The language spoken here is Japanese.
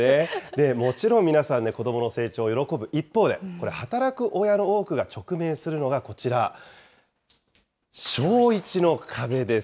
もちろん皆さんね、子どもの成長喜ぶ一方で、働く親の多くが直面するのがこちら、小１の壁です。